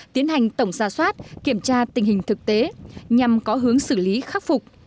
tiến hành tổng ra soát kiểm tra tình hình thực tế nhằm có hướng xử lý khắc phục